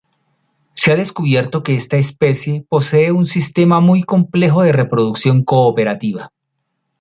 Se ha descubierto que esta especie posee un sistema muy complejo de reproducción cooperativa.